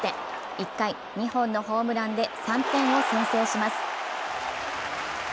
１回、２本のホームランで３点を先制します。